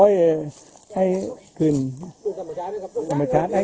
เหลืองเท้าอย่างนั้น